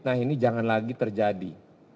nah ini jangan lagi terjadi